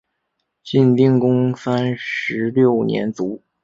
晋定公三十六年卒。